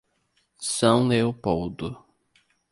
São Leopoldo